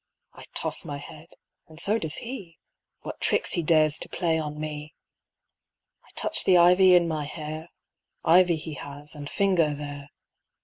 I toss my head, and so does he; What tricks he dares to play on me!I touch the ivy in my hair; Ivy he has and finger there.